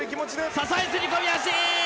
支え釣り込み足！